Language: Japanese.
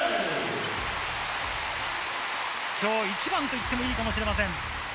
今日一番と言っていいかもしれません。